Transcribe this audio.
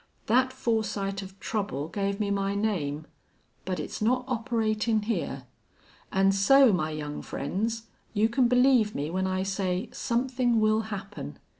That foresight of trouble gave me my name.... But it's not operatin' here.... An' so, my young friends, you can believe me when I say somethin' will happen.